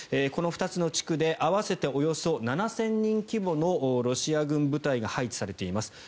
この２つの地区で合わせておよそ７０００人規模のロシア軍部隊が配置されています。